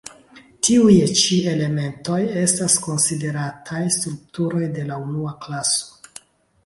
Tiuj ĉi elementoj estas konsiderataj strukturoj de la unua klaso.